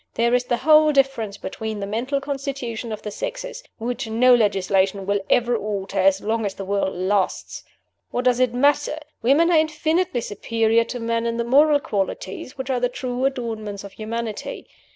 There is the whole difference between the mental constitution of the sexes, which no legislation will ever alter as long as the world lasts! What does it matter? Women are infinitely superior to men in the moral qualities which are the true adornments of humanity.